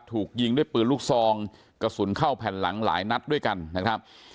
ถูกยิงด้วยปืนลูกซองกระสุนเข้าแผ่นหลังหลายนัดด้วยกันนะครับ